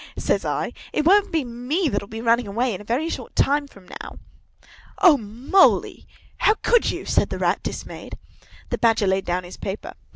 says I; 'it won't be me that'll be running away, in a very short time from now!'" "O Moly, how could you?" said the Rat, dismayed. The Badger laid down his paper.